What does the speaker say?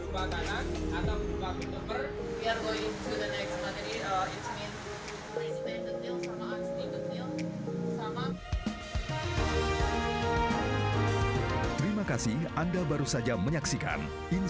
pada awalnya nanti berubah kanan atau berubah bentuk ber kita akan ke budaya berikutnya itu berarti